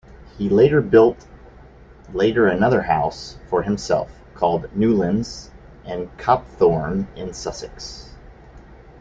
He later built later another house for himself, called "Newlands", at Copthorne, in Sussex.